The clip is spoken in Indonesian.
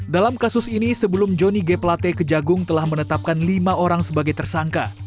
dalam kasus ini sebelum johnny g pelate ke jagung telah menetapkan lima orang sebagai tersangka